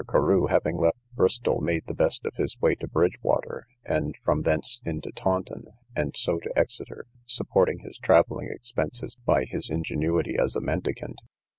Carew, having left Bristol, made the best of his way to Bridgewater, and from thence unto Taunton, and so to Exeter, supporting his travelling expenses by his ingenuity as a mendicant.